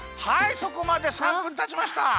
そこまで３分たちました。